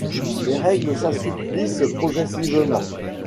Les règles s’assouplissent progressivement.